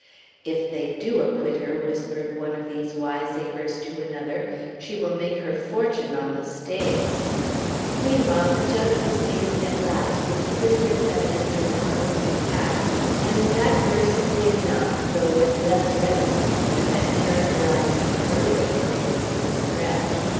"If they do acquit her," whispered one of these wiseacres to another, "she will make her fortune on the stage!" Meanwhile the judge was dealing at the last with the prisoner's evidence in her own behalf, and that mercifully enough, though with less reticence than had characterized the earlier portions of his address.